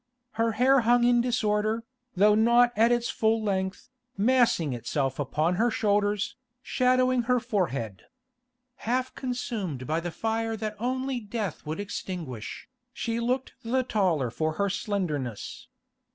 Her hair hung in disorder, though not at its full length, massing itself upon her shoulders, shadowing her forehead. Half consumed by the fire that only death would extinguish, she looked the taller for her slenderness.